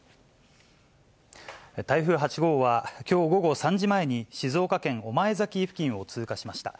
台風８号は、きょう午後３時前に静岡県御前崎付近を通過しました。